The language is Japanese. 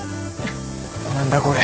何だこれ。